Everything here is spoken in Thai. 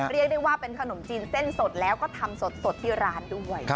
เรียกได้ว่าเป็นขนมจีนเส้นสดแล้วก็ทำสดที่ร้านด้วย